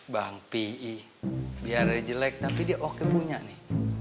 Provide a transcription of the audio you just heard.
bank pi biar jelek tapi dia oke punya nih